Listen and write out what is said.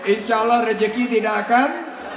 insya allah rejeki tidak akan